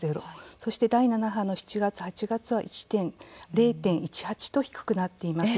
そして第７波の７月、８月は０．１８％と低くなっています。